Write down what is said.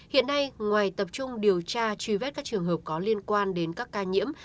hiện nay ngoài tập trung điều tra truy vết các trường hợp có liên quan đến các ca nhiễm